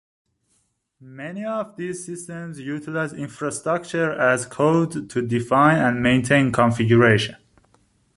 Many of these systems utilize Infrastructure as Code to define and maintain configuration.